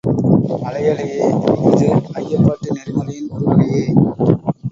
அலை அலையே இது ஐயப்பாட்டு நெறிமுறையின் ஒரு வகையே.